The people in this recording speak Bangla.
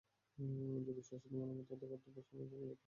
যদিও শাশ্বত মানবাত্মা তার গন্তব্যের সঙ্গে সমঝোতা করার জন্য তৈরি নয়।